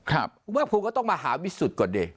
คุณภาคภูมิก็ต้องมาหาวิสุทธิ์ก่อนเด็ก